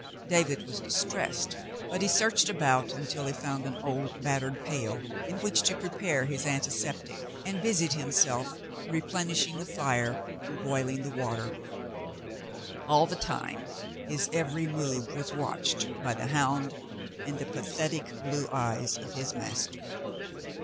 David was distressed, but he searched about until he found an old battered pail in which to prepare his anti septic, and busied himself in replenishing the fire and boiling the water ; all the time his every move was watched by the hound and the pathetic blue eyes of his master.